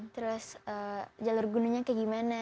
terus jalur gunungnya kayak gimana